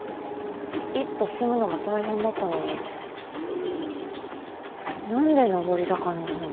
一歩進むのも大変だったのに何で上り坂の方に？